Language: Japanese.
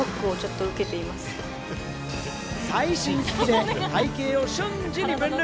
最新機器で体形を瞬時に分類。